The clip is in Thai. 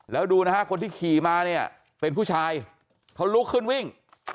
แล้วดูนะฮะคนที่ขี่มาเนี่ยเป็นผู้ชายเขาลุกขึ้นวิ่ง